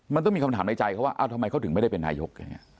มันต้องมีคำถามในใจว่าทำไมเขาถึงไม่ได้เป็นนายยก